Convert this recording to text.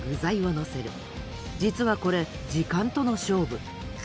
実はこれ時間との勝負。